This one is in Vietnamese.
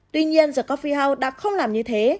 tuy nhiên the coffee house đã không làm như thế